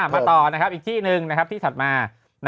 มาต่ออีกที่หนึ่งที่ถัดมา